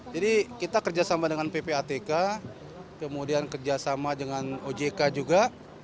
jadi kita kerjasama dengan ppatk kemudian kerjasama dengan ojk juga